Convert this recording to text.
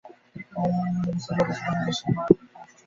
এমন অবস্থায় প্রবাসী বাংলাদেশিরা মারাত্মক সমস্যার সম্মুখীন হচ্ছেন।